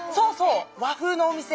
和風のお店？